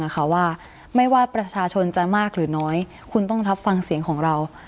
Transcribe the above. คุณต้องรับฟังเสียงของเรา